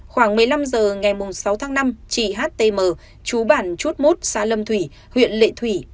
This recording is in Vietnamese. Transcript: khoảng một mươi năm h ngày sáu tháng năm chị htm chú bản chút mốt xã lâm thủy huyện lệ thủy